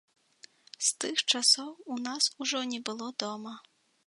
З тых часоў у нас ужо не было дома.